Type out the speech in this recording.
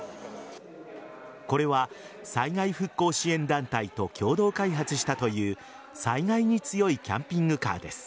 これは災害復興支援団体と共同開発したという災害に強いキャンピングカーです。